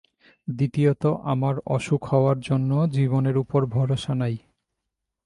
দ্বিতীয়ত আমার অসুখ হওয়ার জন্য জীবনের উপর ভরসা নাই।